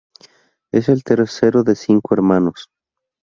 Es el tercero de cinco hermanos.